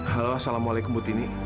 halo assalamualaikum butini